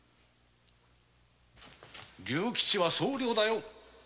竜吉は総領だよ。